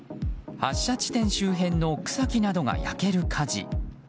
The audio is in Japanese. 発射地点周辺の草木などが焼ける火事。